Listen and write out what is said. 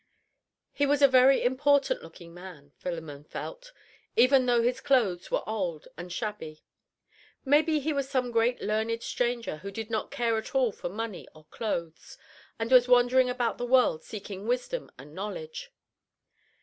He was a very important looking man, Philemon felt, even though his clothes were old and shabby; maybe he was some great learned stranger who did not care at all for money or clothes, and was wandering about the world seeking wisdom and knowledge.